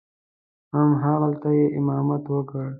همغلته یې امامت وکړ.